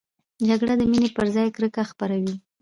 جګړه د مینې پر ځای کرکه خپروي